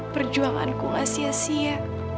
perjuanganku enggak sia sia